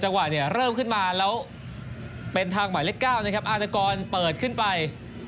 จังหวะเริ่มขึ้นมาแล้วเป็นทางหมายเลข๙อาณกรเปิดขึ้นไป